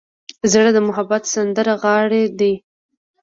زړه د محبت سندرغاړی دی.